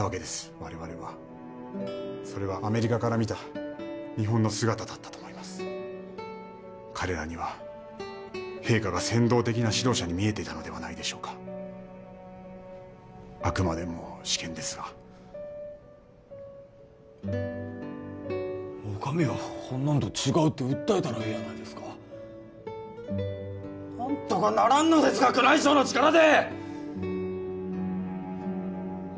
我々はそれはアメリカから見た日本の姿だったと思います彼らには陛下が扇動的な指導者に見えていたのではないでしょうかあくまでも私見ですがお上はほんなんと違うって訴えたらええやないですか何とかならんのですか宮内省の力で！